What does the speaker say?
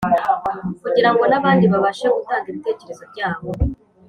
kugira ngo n’abandi babashe gutanga ibitekerezo byabo